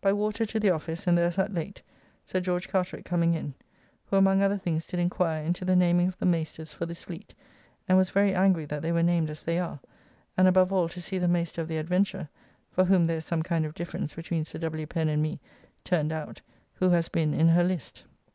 By water to the office, and there sat late, Sir George Carteret coming in, who among other things did inquire into the naming of the maisters for this fleet, and was very angry that they were named as they are, and above all to see the maister of the Adventure (for whom there is some kind of difference between Sir W. Pen and me) turned out, who has been in her list.